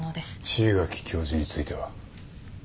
椎垣教授については？